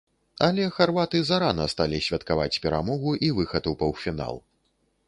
Але харваты зарана сталі святкаваць перамогу і выхад у паўфінал.